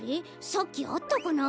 さっきあったかな？